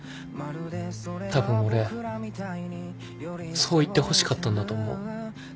たぶん俺そう言ってほしかったんだと思う。